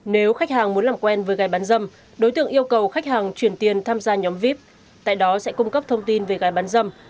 nếu khách hàng muốn làm quen với gái bán dâm đối tượng yêu cầu khách hàng chuyển tiền tham gia nhóm vip tại đó sẽ cung cấp thông tin về gái bán dâm